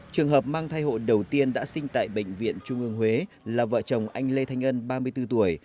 trường hợp mang thai hộ đầu tiên đã sinh tại bệnh viện trung ương huế là vợ chồng anh lê thanh ân ba mươi bốn tuổi